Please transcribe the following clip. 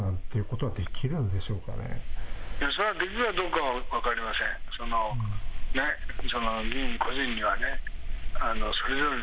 それはできるかどうかは分かりません。